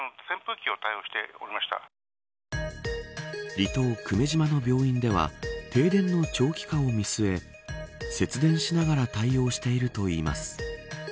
離島、久米島の病院では停電の長期化を見据え節電しながら対応しているといいます。